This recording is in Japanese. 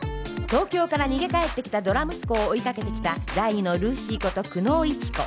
東京から逃げ帰ってきたドラ息子を追いかけてきた第２のルーシーこと久能イチ子